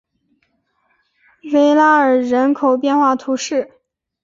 维拉尔人口变化图示